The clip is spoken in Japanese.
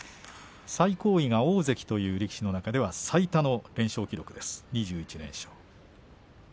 最高位が大関という力士の中では最多の連勝記録です２１連勝。